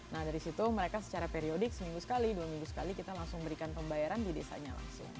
nah dari situ mereka secara periodik seminggu sekali dua minggu sekali kita langsung berikan pembayaran di desanya langsung